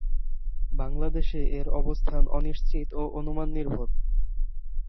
বাংলাদেশে এর অবস্থান অনিশ্চিত ও অনুমান নির্ভর।